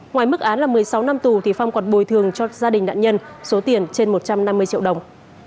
ngoài mức án là một mươi sáu năm tù thì phong còn bồi thường cho gia đình nạn nhân số tiền trên một trăm năm mươi triệu đồng